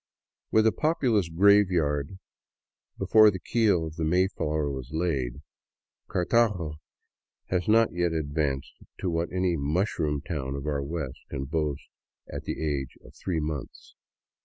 With a populous graveyard before the keel of the " Mayflower '* was laid, Cartago has not yet advanced to what any " mushroom " town of our West can boast at the age of three months.